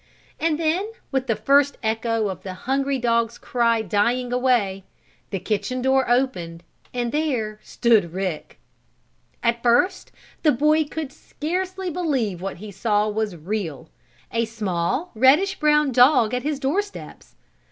And then, with the first echo of the hungry dog's cry dying away, the kitchen door opened and there stood Rick. At first the boy could scarcely believe that what he saw was real a small, reddish brown dog at his doorsteps.